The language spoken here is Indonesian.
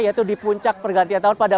yaitu di puncak pergantian tahun pada